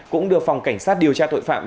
cũng được phòng cảnh sát điều tra tội phạm